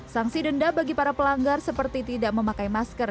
sanksi denda bagi para pelanggar seperti tidak memakai masker